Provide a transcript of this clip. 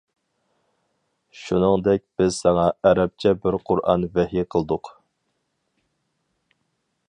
شۇنىڭدەك بىز ساڭا ئەرەبچە بىر قۇرئان ۋەھىي قىلدۇق.